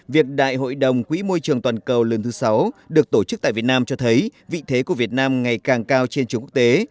việc đại hội đồng quỹ môi trường toàn cầu lần thứ sáu được tổ chức tại việt nam cho thấy vị thế của việt nam ngày càng cao trên trường quốc tế